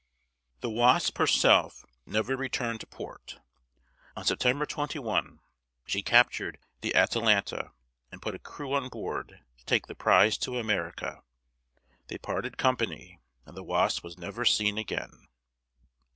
The Wasp herself never returned to port. On September 21 she captured the Atalanta and put a crew on board to take the prize to America. They parted company, and the Wasp was never seen again.